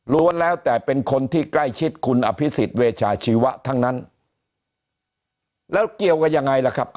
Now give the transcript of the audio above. รวมแล้วแต่เป็นคนที่ใกล้ชิดคุณอภิษฎิเวชาชีวะทั้งนั้น